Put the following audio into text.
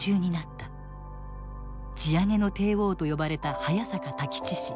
地上げの帝王と呼ばれた早坂太吉氏。